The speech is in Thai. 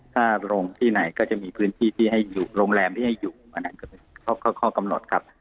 ถ้าโรงที่ไหนก็จะมีพื้นที่ที่ให้อยู่โรงแรมที่ให้อยู่อันนั้นก็เป็นข้อกำหนดครับ